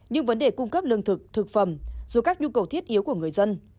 nhưng vấn đề cung cấp lương thực thực phẩm dù các nhu cầu thiết yếu của người dân